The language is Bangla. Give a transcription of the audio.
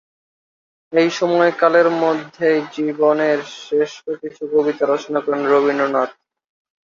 এই সময়কালের মধ্যেই জীবনের শ্রেষ্ঠ কিছু কবিতা রচনা করেন রবীন্দ্রনাথ।